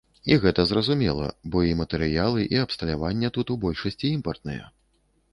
І гэта зразумела, бо і матэрыялы, і абсталяванне тут у большасці імпартныя.